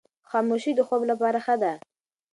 خاموشي د خوب لپاره ښه ده.